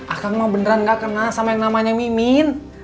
akan mah beneran gak kenal sama yang namanya mimin